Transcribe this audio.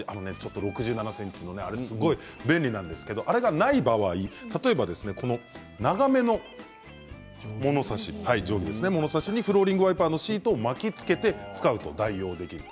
６７ｃｍのあれ、すごく便利なんですけど、あれがない場合例えば長めの物差しにフローリングワイパーのシートを巻き付けて使うと代用できます。